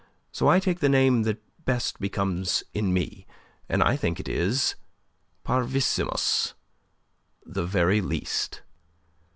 So I take the name that best becomes in me. And I think it is Parvissimus the very least."